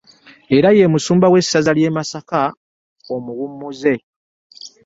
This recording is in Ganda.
Era ye musumba w'essaza lye Masaka omuwummuze